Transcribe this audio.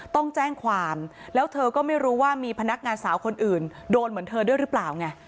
ต้องแจ้งความแล้วเธอก็ไม่รู้ว่ามีพนักงานสาวคนอื่นโดนเหมือนเธอด้วยหรือเปล่าไง